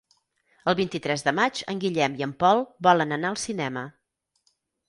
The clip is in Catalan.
El vint-i-tres de maig en Guillem i en Pol volen anar al cinema.